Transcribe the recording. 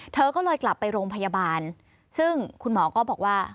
เธอก็เลยกลับไปโรงพยาบาลซึ่งคุณหมอก็บอกว่า